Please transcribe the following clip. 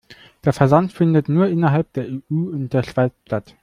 Der Versand findet nur innerhalb der EU und der Schweiz statt.